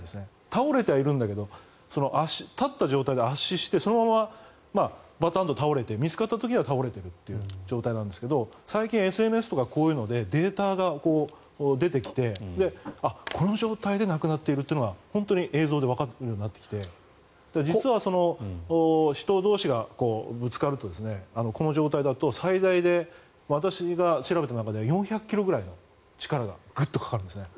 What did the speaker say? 倒れてはいるんだけど立ってる状態で圧死してそのままバタンと倒れて見つかった時には倒れている状態なんですが最近、ＳＮＳとかこういうのでデータが出てきてこの状態で亡くなっているというのが映像でわかるようになってきて実は人同士がぶつかるとこの状態だと最大で私が調べた中では４００ｋｇぐらいの力がグッとかかるんですね。